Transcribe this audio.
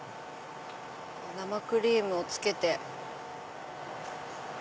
生クリームをつけて。